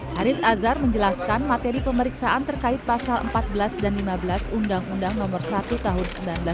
haris azhar menjelaskan materi pemeriksaan terkait pasal empat belas dan lima belas undang undang nomor satu tahun seribu sembilan ratus sembilan puluh